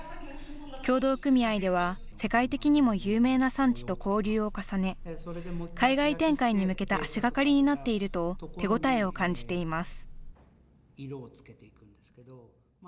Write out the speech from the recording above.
協同組合では世界的にも有名な産地と交流を重ね、海外展開に向けた足がかりになっていると手応えを感じています。